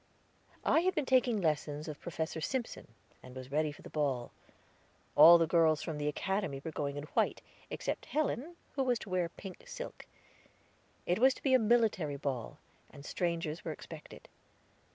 I had been taking lessons of Professor Simpson, and was ready for the ball. All the girls from the Academy were going in white, except Helen, who was to wear pink silk. It was to be a military ball, and strangers were expected.